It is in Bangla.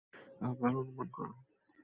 আবার অনুমান করো।